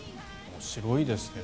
面白いですね。